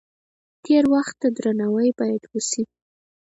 تیر وخت ته درناوی باید وشي.